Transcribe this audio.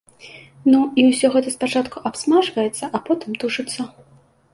Ну, і ўсё гэта спачатку абсмажваецца, а потым тушыцца.